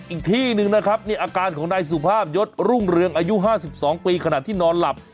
อีกที่หนึ่งนะครับนี่อาการของนายสุภาพยศรุ่งเรืองอายุ๕๒ปีขณะที่นอนหลับ